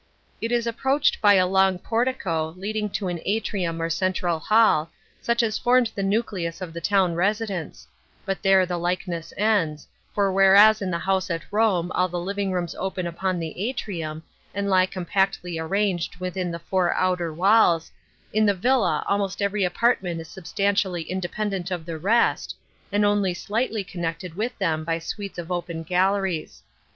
" It is approached by a long portico, * Dictionary of Ortek and Roman Antiquities, Art. " Domui." CHAP. xxxt. COUNTRY HOUSES 603 leading to an atrium or central hall, such a* formed the nucleus of the town residence ; but there the likeness ends, for whereas in the house at Rome all the living rooms open upon the atrium, and lie compactly arransed within the four outer walls, in the villa almost overy apartment is substantially independent of the rest, and only slightly connected with them by suites of open galleries.